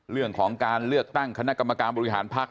เรื่องของการเลือกตั้งคณะกรรมการบริหารพักษ